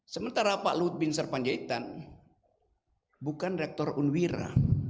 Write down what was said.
sementara pak lut bin sarpanjaitan bukan rektor unwira